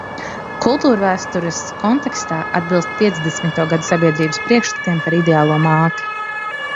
Kultūrvēstures kontekstā – atbilst piecdesmito gadu sabiedrības priekšstatiem par ideālo māti.